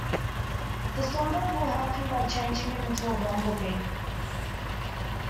The Swan-Bird will help him by changing him into a bumblebee.